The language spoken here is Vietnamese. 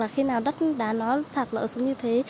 khi nào đất đá xạc lỡ xuống như thế